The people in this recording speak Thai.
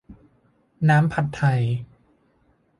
น้ำผัดไทย